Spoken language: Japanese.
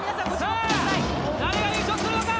誰が優勝するのか？